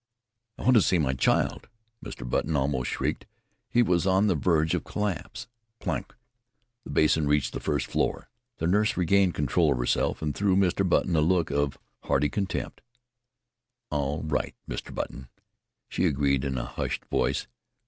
"I want to see my child!" Mr. Button almost shrieked. He was on the verge of collapse. Clank! The basin reached the first floor. The nurse regained control of herself, and threw Mr. Button a look of hearty contempt. "All right, Mr. Button," she agreed in a hushed voice.